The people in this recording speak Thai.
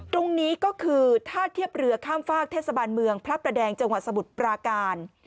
ตรงนี้ก็คือท่าเทียบเรือข้ามฝากเทศบาลเมืองพระประแดงจังหวัดสมุทรปราการ